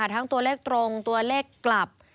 ทั้งตัวเลขตรงตัวเลขกลับ